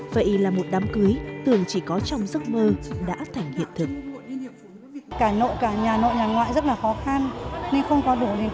vậy là một đám cưới tưởng chỉ có trong giấc mơ đã thành hiện thực